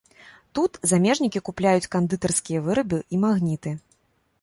Тут замежнікі купляюць кандытарскія вырабы і магніты.